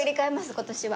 今年は。